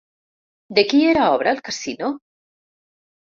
De qui era obra el casino?